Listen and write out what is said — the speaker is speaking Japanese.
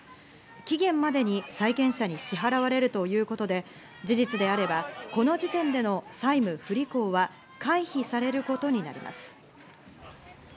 期限までに債権者に支払われるということで、事実であれば、この時点での債務不履行は回避されることになります。